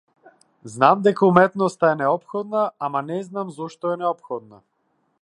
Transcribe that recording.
Знам дека уметноста е неопходна, ама не знам зошто е неопходна.